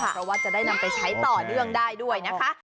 เพราะว่าจะได้นำไปใช้ต่อเนื่องได้ด้วยนะคะ